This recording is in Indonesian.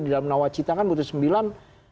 di dalam nawacita kan butuh sembilan